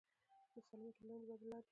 د سالمې ټولنې د ودې لارې